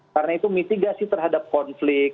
karena itu mitigasi terhadap konflik